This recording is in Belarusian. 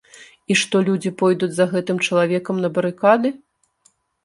І што, людзі пойдуць за гэтым чалавекам на барыкады?